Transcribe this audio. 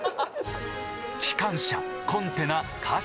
機関車コンテナ貨車。